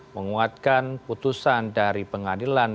menguatkan putusan dari pengadilan